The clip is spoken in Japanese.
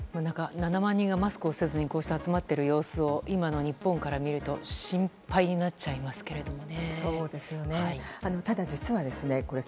７万人がマスクをせずにこうして集まっている様子を今の日本から見ると心配になっちゃいますけれどもね。